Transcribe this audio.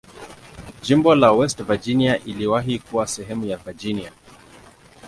Jimbo la West Virginia iliwahi kuwa sehemu ya Virginia.